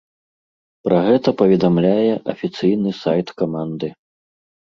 Пра гэта паведамляе афіцыйны сайт каманды.